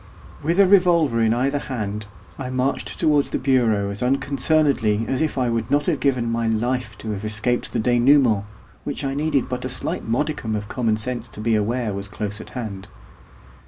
With a revolver in either hand I marched towards the bureau as unconcernedly as if I would not have given my life to have escaped the dénouement which I needed but a slight modicum of common sense to be aware was close at hand.